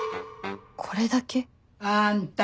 これだけ？あんた